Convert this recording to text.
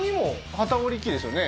機織り機ですよね？